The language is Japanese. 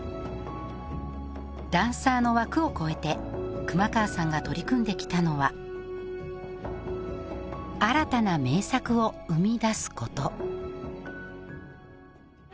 ダンサーの枠を超えて熊川さんが取り組んできたのは新たな名作を生み出すこと